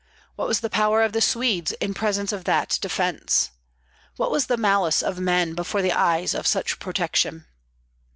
what was the power of the Swedes in presence of that defence? what was the malice of men before the eyes of such protection?